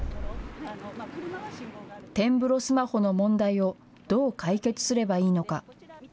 点ブロスマホの問題をどう解決すればいいのか。